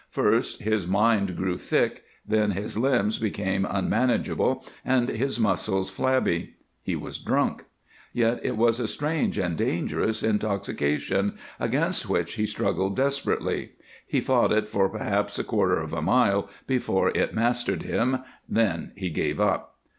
First his mind grew thick, then his limbs became unmanageable and his muscles flabby. He was drunk. Yet it was a strange and dangerous intoxication, against which he struggled desperately. He fought it for perhaps a quarter of a mile before it mastered him; then he gave up.